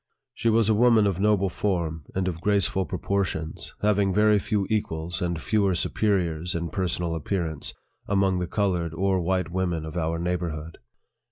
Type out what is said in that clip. She was a woman of noble form, and of graceful proportions, having very few equals, and fewer superiors, in personal appearance, among the colored or white women of our neighborhood.